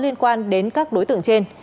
liên quan đến các đối tượng trên